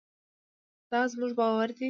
دا زموږ باور دی.